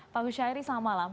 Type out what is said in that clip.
pak khusyari selamat malam